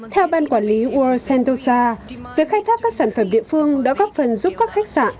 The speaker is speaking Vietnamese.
theo ban quản lý world centosa việc khai thác các sản phẩm địa phương đã góp phần giúp các khách sạn